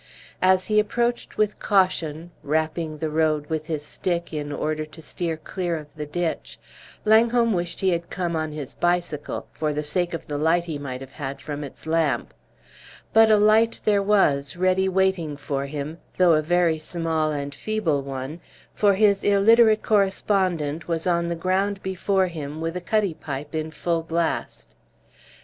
As he approached with caution, rapping the road with his stick in order to steer clear of the ditch, Langholm wished he had come on his bicycle, for the sake of the light he might have had from its lamp; but a light there was, ready waiting for him, though a very small and feeble one; for his illiterate correspondent was on the ground before him, with a cutty pipe in full blast.